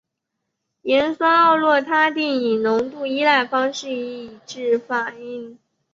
盐酸奥洛他定以浓度依赖方式抑制反应。